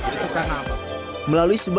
itu karena apa